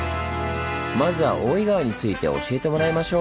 まずは大井川について教えてもらいましょう。